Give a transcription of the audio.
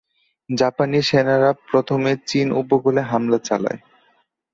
জাপানি সেনারা প্রথমে চীন উপকূলে হামলা চালায়।